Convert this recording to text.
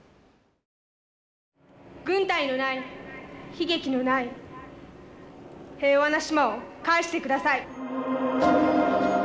軍隊のない悲劇のない平和な島を返してください。